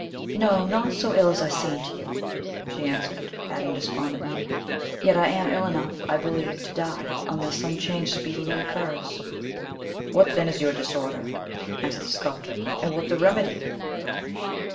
"No; not so ill as I seem to you," she answered; adding despondently, "yet I am ill enough, I believe, to die, unless some change speedily occurs." "What, then, is your disorder?" asked the sculptor; "and what the remedy?"